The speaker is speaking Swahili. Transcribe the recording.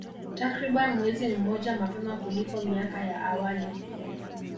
Takriban mwezi mmoja mapema kuliko miaka ya awali